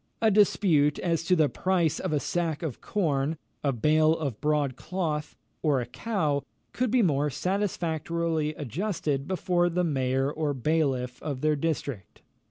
A dispute as to the price of a sack of corn, a bale of broad cloth, or a cow, could be more satisfactorily adjusted before the mayor or bailiff of their district.